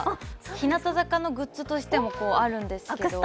日向坂のグッズとしてもあるんですけど。